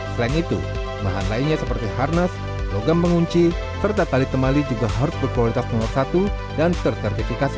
selain itu bahan lainnya seperti harness logam pengunci serta tali temali juga harus berkualitas nomor satu dan tersertifikasi